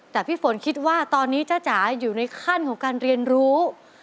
แต่พี่ฝนคิดว่าตอนนี้จ้าจ๋าอยู่ในขั้นของการเรียนรู้